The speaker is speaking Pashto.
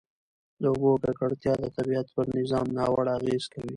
د اوبو ککړتیا د طبیعت پر نظام ناوړه اغېز کوي.